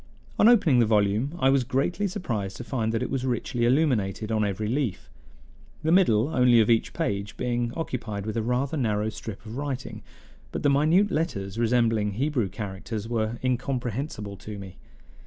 On opening the volume I was greatly surprised to find that it was richly illuminated on every leaf, the middle only of each page being occupied with a rather narrow strip of writing; but the minute letters, resembling Hebrew characters, were incomprehensible to me.